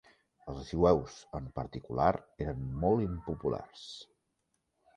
Els jueus en particular eren molt impopulars.